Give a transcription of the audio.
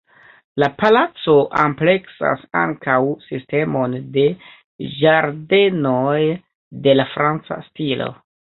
La palaco ampleksas ankaŭ sistemon de ĝardenoj de la franca stilo.